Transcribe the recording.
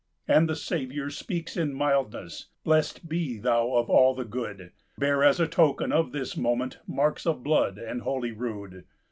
And the Saviour speaks in mildness: "Blest be thou of all the good! Bear, as token of this moment, Marks of blood and holy rood!"